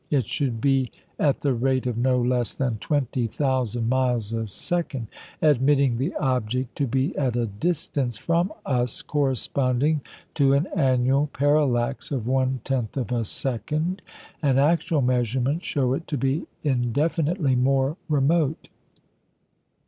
It should be at the rate of no less than twenty thousand miles a second, admitting the object to be at a distance from us corresponding to an annual parallax of one tenth of a second, and actual measurements show it to be indefinitely more remote.